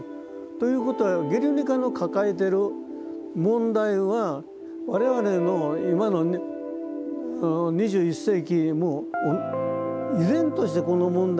ということは「ゲルニカ」の抱えてる問題は我々の今の２１世紀も依然としてこの問題が解決されてない。